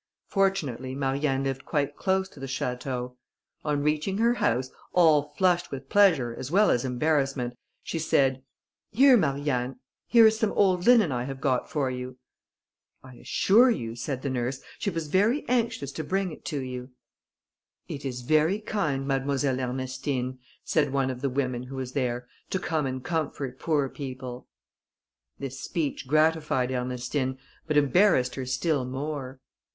Fortunately, Marianne lived quite close to the château. On reaching her house, all flushed with pleasure as well as embarrassment, she said, "Here, Marianne, here is some old linen I have got for you." "I assure you," said the nurse, "she was very anxious to bring it to you." "It is very kind, Mademoiselle Ernestine," said one of the women who was there, "to come and comfort poor people." This speech gratified Ernestine, but embarrassed her still more.